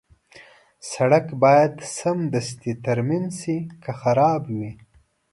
سړک باید سمدستي ترمیم شي که خراب وي.